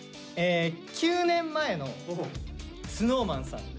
９年前のＳｎｏｗＭａｎさんです。